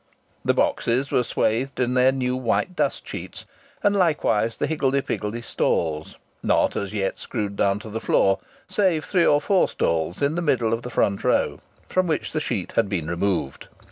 The boxes were swathed in their new white dust sheets; and likewise the higgledy piggledy stalls, not as yet screwed down to the floor, save three or four stalls in the middle of the front row, from which the sheet had been removed.